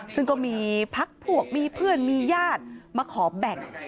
ซึ่งก็มีพักพวกมีเพื่อนมีญาติมาขอแบ่ง